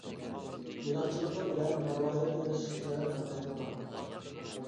بېلىقچىلىقى بىلەن مەرۋايىت ئېلىش ئىشلىرى تەرەققىي قىلغان.